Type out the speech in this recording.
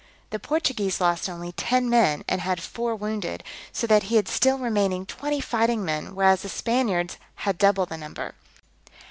The Portuguese lost only ten men, and had four wounded; so that he had still remaining twenty fighting men, whereas the Spaniards had double the number.